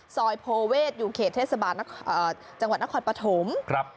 โพเวศอยู่เขตเทศบาลจังหวัดนครปฐม